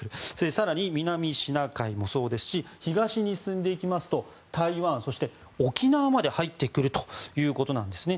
更に、南シナ海もそうですし東に進んでいきますと台湾そして、沖縄まで入ってくるということなんですね。